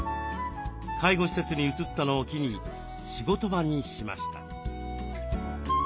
介護施設に移ったのを機に仕事場にしました。